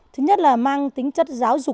thứ nhất là mang tính chất giáo dục